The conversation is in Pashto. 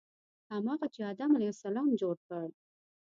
هماغه چې آدم علیه السلام جوړ کړ.